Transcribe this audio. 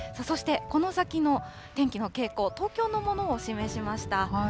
そして、この先の天気の傾向、東京のものを示しました。